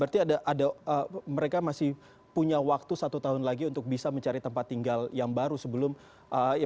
berarti ada mereka masih punya waktu satu tahun lagi untuk bisa mencari tempat tinggal yang baru sebelum ini